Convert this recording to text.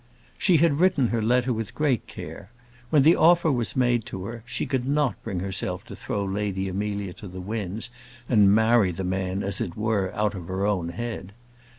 She had written her letter with great care. When the offer was made to her, she could not bring herself to throw Lady Amelia to the winds and marry the man, as it were, out of her own head.